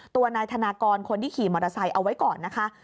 ตัวนายธนากรคนที่ขี่มอเตอร์ไซค์เอาไว้ก่อนนะคะ